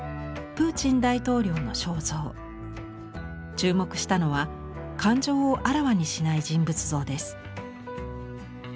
注目したのは感情をあらわにしない人物像です。